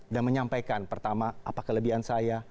dan menyampaikan pertama apa kelebihan saya